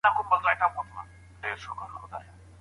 که په لارو کي د لارښوونې تابلوګانې وي، نو مسافر نه ورک کیږي.